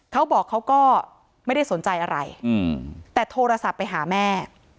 เขาบอกเขาก็ไม่ได้สนใจอะไรแต่โทรศัพท์ไปหาแม่